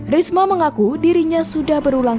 risma mengaku dirinya sudah berulang